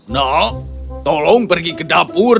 nak tolong pergi ke dapur